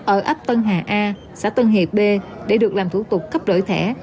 ở ấp tân hà a xã tân hiệp b để được làm thủ tục cấp đổi thẻ